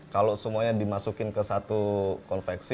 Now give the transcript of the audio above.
kalau semuanya dimasukin ke satu konveksi